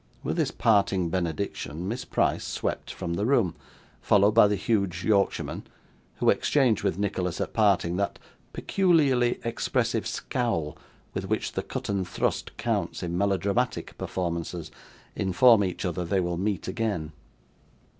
With this parting benediction, Miss Price swept from the room, followed by the huge Yorkshireman, who exchanged with Nicholas, at parting, that peculiarly expressive scowl with which the cut and thrust counts, in melodramatic performances, inform each other they will meet again.